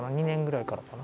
２年ぐらいから。